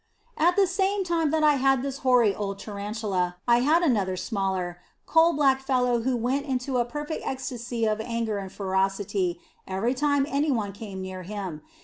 At the same time that I had this hoary old tarantula, I had another smaller, coal black fellow who went into a perfect ecstasy of anger and ferocity every time any one came near him.